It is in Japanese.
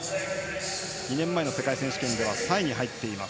２年前の世界選手権で３位に入っています。